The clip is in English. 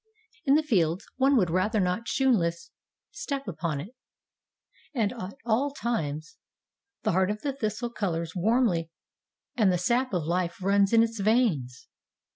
In the fields one would rather not shoon less step upon it. At all times the heart of the thistle colors warmly and the sap of life runs in its veins.